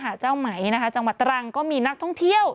เจ้าไหมนะคะจังหวัดตรังก็มีนักท่องเที่ยว